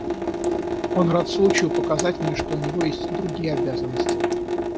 Он рад случаю показать мне, что у него есть другие обязанности.